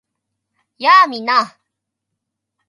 やあ！みんな